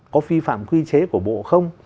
có phi phạm quy chế của bộ không